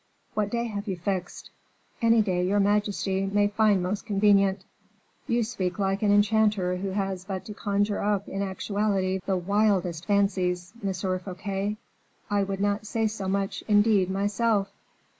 "What day have you fixed?" "Any day your majesty may find most convenient." "You speak like an enchanter who has but to conjure up in actuality the wildest fancies, Monsieur Fouquet. I could not say so much, indeed, myself."